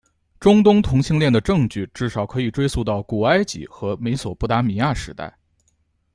中东同性恋的证据至少可以追溯到古埃及和美索不达米亚时代。